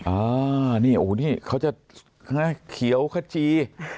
อ่านี่โอ้โหนี่เขาจะเขียวขจี